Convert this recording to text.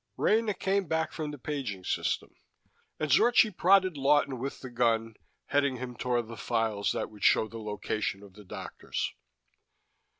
Rena came back from the paging system, and Zorchi prodded Lawton with the gun, heading him toward the files that would show the location of the doctors.